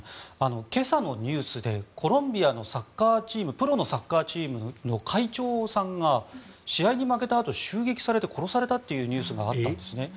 今朝のニュースでコロンビアのサッカーチームプロのサッカーチームの会長さんが試合に負けたあと襲撃されて殺されたというニュースがあったんですね。